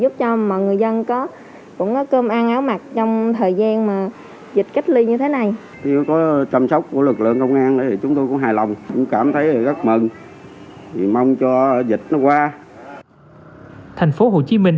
thành phố hồ chí minh